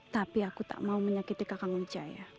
tapi aku tak mau menyakiti kakak wijaya